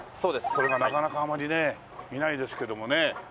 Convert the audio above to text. それがなかなかあまりねいないですけどもね。